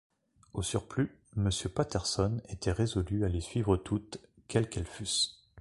Au surplus, Monsieur Patterson était résolu à les suivre toutes, quelles qu’elles fussent.